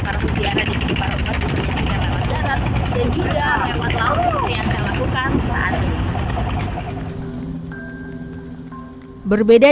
berbeda dengan kapal yang digunakan warga atau peziarah